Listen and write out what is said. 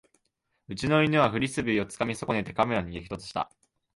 うちの犬はフリスビーをつかみ損ねてカメラに激突した